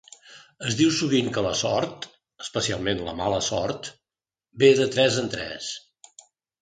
Es diu sovint que la sort, especialment la mala sort, "ve de tres en tres".